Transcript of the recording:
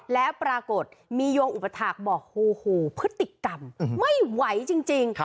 และปรากฏมียวงอุปถักษ์บอกโฮโฮพฤติกรรมไม่ไหวจริงจริง